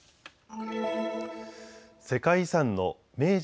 世界遺産の明治